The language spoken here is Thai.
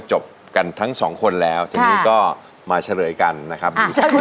จบกันทั้งสองคนแล้วทีนี้ก็มาเฉลยกันนะครับ